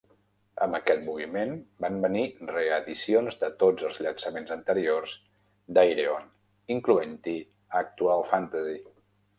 Amb aquest moviment van venir reedicions de tots els llançaments anteriors d'Ayreon, incloent-hi "Actual Fantasy".